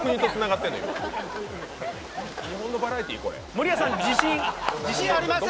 守谷さん、自信あります？